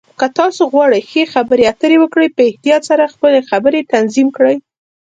که تاسو غواړئ ښه خبرې اترې وکړئ، په احتیاط سره خپلې خبرې تنظیم کړئ.